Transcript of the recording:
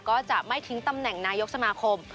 ก็จะไม่ทิ้งตำแหน่งนายกสมาคม